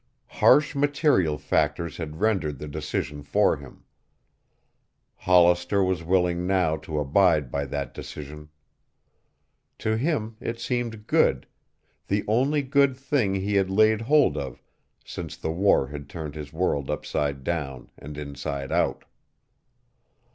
Harsh material factors had rendered the decision for him. Hollister was willing now to abide by that decision. To him it seemed good, the only good thing he had laid hold of since the war had turned his world upside down and inside out.